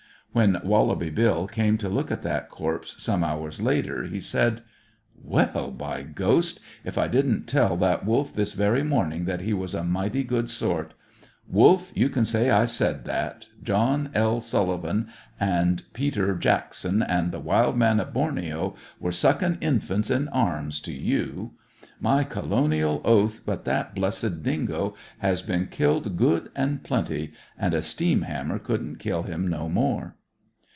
When Wallaby Bill came to look at that corpse some hours later he said "Well, by ghost! If I didn't tell that Wolf this very morning that he was a mighty good sort. Wolf, you can say I said that John L. Sullivan and Peter Jackson, and the Wild Man o' Borneo were suckin' infants in arms to you. My colonial oath, but that blessed dingo has been killed good an' plenty, and a steam hammer couldn't kill him no more!"